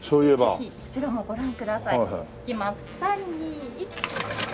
ぜひこちらもご覧ください。いきます。